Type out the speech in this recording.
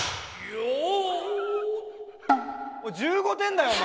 １５点だよお前。